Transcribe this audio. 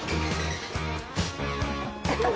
アハハハ！